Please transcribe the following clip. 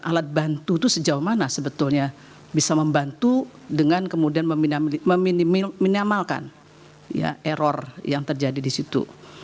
alat bantu itu sejauh mana sebetulnya bisa membantu dengan kemudian menyamalkan error yang terjadi di situ